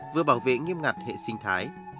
vừa bảo vệ nghiêm ngặt hệ sinh thái